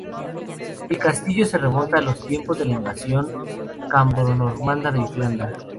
El castillo se remonta a los tiempos de la Invasión cambro-normanda de Irlanda.